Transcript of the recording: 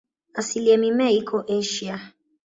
Asili ya mimea iko Asia.